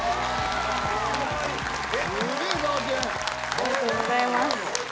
ありがとうございます。